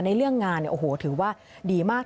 ในเรื่องงานถือว่าดีมาก